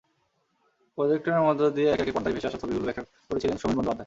প্রজেক্টরের মধ্য দিয়ে একে একে পর্দায় ভেসে আসা ছবিগুলো ব্যাখ্যা করছিলেন সোমেন বন্দ্যোপাধ্যায়।